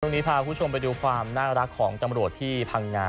พาคุณผู้ชมไปดูความน่ารักของตำรวจที่พังงา